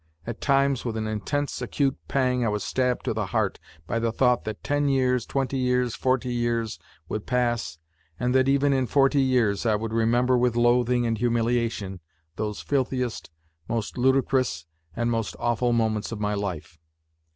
At times, with an intense, acute pang I was stabbed to the heart by the thought that ten years, twenty years, forty years would pass, and that even in forty years I would remember with loathing and humiliation those filthiest, most ludicrous, and most awful moments of my life.